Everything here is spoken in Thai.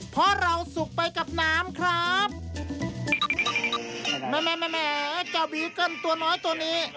เพราะเราสุกไปกับน้ำครับแม่แม่แม่เจ้าบีเกิ้ลตัวน้อยตัวนี้